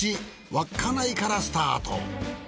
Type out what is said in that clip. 稚内からスタート。